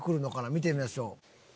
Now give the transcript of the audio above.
見てみましょう。